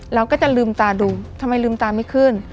เราก็จะลืมตาดูทำไมลืมตาไม่ขึ้น